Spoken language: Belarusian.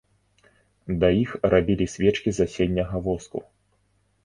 Да іх рабілі свечкі з асенняга воску.